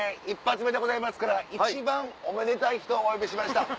一発目でございますから一番おめでたい人呼びました。